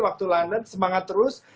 waktu london semangat terus